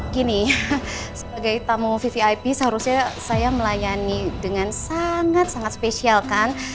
gini sebagai tamu vvip seharusnya saya melayani dengan sangat sangat spesial kan